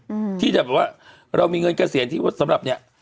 อืมที่จะแบบว่าเรามีเงินเกษียณที่ว่าสำหรับเนี้ย